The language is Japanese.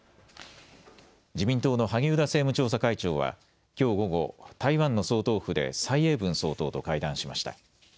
自民党の萩生田政務調査会長はきょう午後、台湾の総統府で蔡英文総統と会談しました。